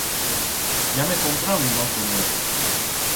Ya m'he comprau un auto nuevo.